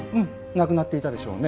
亡くなっていたでしょうね。